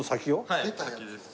はい先です。